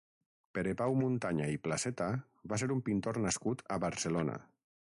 Pere Pau Muntanya i Placeta va ser un pintor nascut a Barcelona.